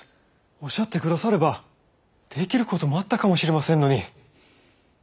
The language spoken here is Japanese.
おっしゃって下さればできることもあったかもしれませんのに。